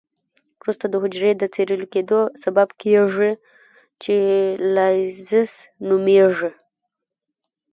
وروسته د حجري د څیرې کیدو سبب کیږي چې لایزس نومېږي.